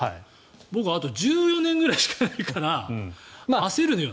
僕あと１４年ぐらいしかないから焦るのよ。